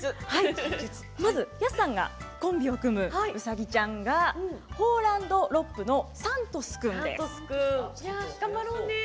まず安さんがコンビを組むうさぎちゃんがホーランドロップのサントス君です。